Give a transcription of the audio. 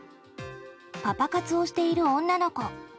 パパ活をしている女の子。